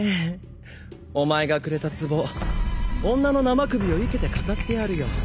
お前がくれた壺女の生首を生けて飾ってあるよ。